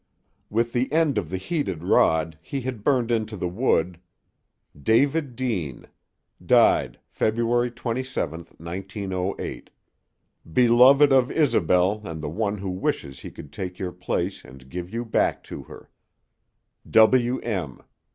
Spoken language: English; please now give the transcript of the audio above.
With the end of the heated rod he had burned into the wood: DAVID DEANE Died Feb. 27, 1908 BELOVED OF ISOBEL AND THE ONE WHO WISHES HE COULD TAKE YOUR PLACE AND GIVE YOU BACK TO HER W. M.